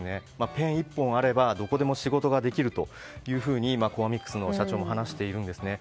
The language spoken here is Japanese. ペン１本あればどこでも仕事ができるとコアミックスの社長も話しているんですね。